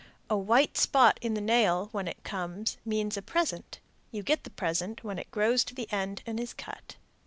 A white spot in the nail, when it comes, means a present. You get the present when it grows to the end and is cut.